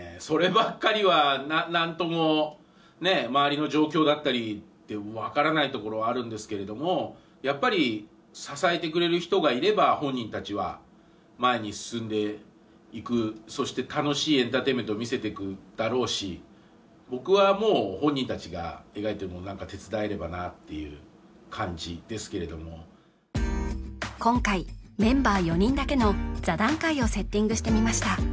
そればっかりは何ともねえ周りの状況だったりって分からないところはあるんですけれどもやっぱり支えてくれる人がいれば本人たちは前に進んでいくそして楽しいエンターテインメントを見せてくだろうし僕はもう本人たちが描いてるもの何か手伝えればなっていう感じですけれども今回メンバー４人だけの座談会をセッティングしてみました